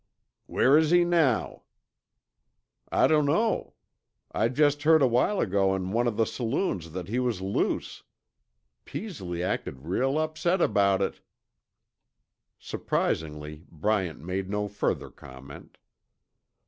"Where is he now?" "I dunno. I jest heard a while ago in one of the saloons that he was loose. Peasley acted real upset about it." Surprisingly, Bryant made no further comment.